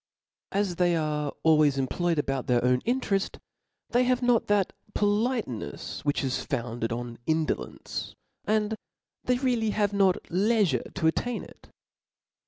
As they are always employed about their own intereft, they have not that poHtencfs: which is founded on indolence ; and they really have not Jeifure to attain it.